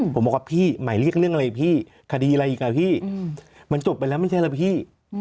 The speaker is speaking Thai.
ผมบอกว่าพี่หมายเรียกเรื่องอะไรพี่คดีอะไรอีกอ่ะพี่มันจบไปแล้วไม่ใช่แล้วพี่